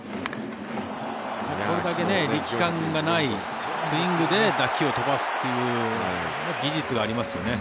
これだけ力感がないスイングで打球を飛ばすという技術がありますよね。